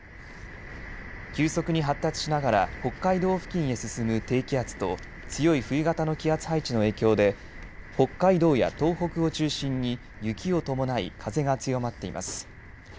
急速に発達しながら北海道付近へ進む低気圧と強い冬型の気圧配置の影響で北海道や東北を中心に雪を伴い風が強まっています。